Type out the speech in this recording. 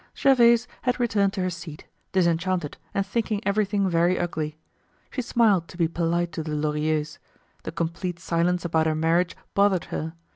Gervaise had returned to her seat, disenchanted and thinking everything very ugly. She smiled to be polite to the Lorilleuxs. The complete silence about her marriage bothered her.